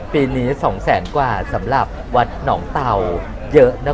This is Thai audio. ปีนี้๒แสนกว่าสำหรับวัดหนองเตาเยอะนะคะ